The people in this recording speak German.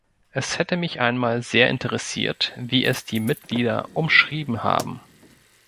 Es hätte mich einmal sehr interessiert, wie es die Mitglieder umschrieben haben.